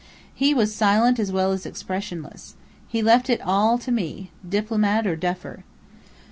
He was silent as well as expressionless. He left it all to me diplomat or duffer.